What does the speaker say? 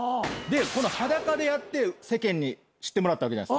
で裸でやって世間に知ってもらった。